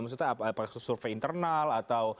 maksudnya apakah survei internal atau